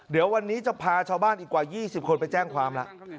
เดี๋ยววันนี้จะพาชาวบ้านอีกกว่า๒๐คนไปแจ้งความแล้ว